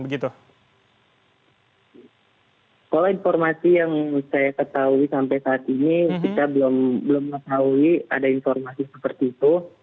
kalau informasi yang saya ketahui sampai saat ini kita belum mengetahui ada informasi seperti itu